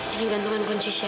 ini gantungan kunci siapa ya mas